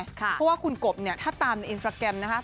เพราะว่าคุณกบเนี่ยถ้าตามในอินสตราแกรมนะคะ